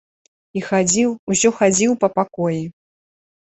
І хадзіў, усё хадзіў па пакоі.